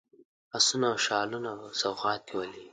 آسونه او شالونه په سوغات کې ولېږلي.